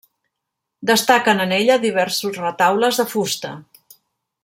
Destaquen en ella diversos retaules de fusta.